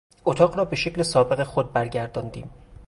اتاق را به شکل سابق خود برگرداندیم.